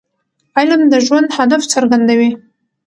علم د ژوند هدف څرګندوي.